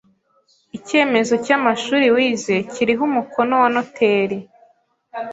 Icyemezo cy’amashuri wize kiriho umukono wa noteri